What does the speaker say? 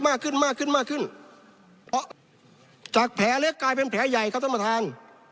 เพราะจากแผลเล็กกลายเป็นแผลใหญ่ครับท่านประธาน